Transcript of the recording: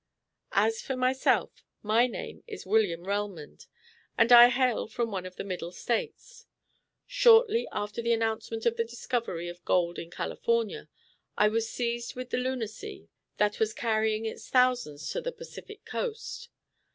As for myself, my name is William Relmond, and I hail from one of the middle States. Shortly after the announcement of the discovery of gold in California, I was seized with the lunacy that was carrying its thousands to the Pacific coast.